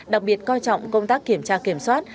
đặc biệt coi trọng công tác kiểm tra kiểm soát